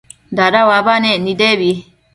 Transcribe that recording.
dada uabanec nebi